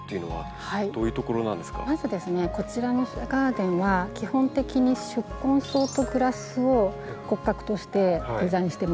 まずですねこちらのガーデンは基本的に宿根草とグラスを骨格としてデザインしてます。